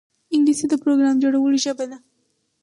انګلیسي د پروګرام جوړولو ژبه ده